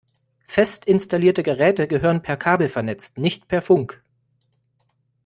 Fest installierte Geräte gehören per Kabel vernetzt, nicht per Funk.